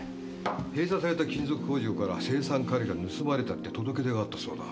閉鎖された金属工場から「青酸カリが盗まれた」って届け出があったそうだ。